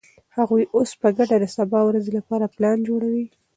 هغوی اوس په ګډه د سبا ورځې لپاره پلان جوړوي.